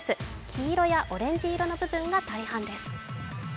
黄色やオレンジ色の部分が大半です。